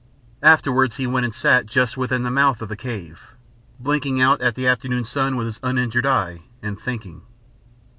Afterwards he went and sat just within the mouth of the cave, blinking out at the afternoon sun with his uninjured eye, and thinking.